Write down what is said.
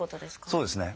そうですね。